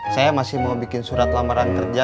saya masih mau bikin surat lamaran kerja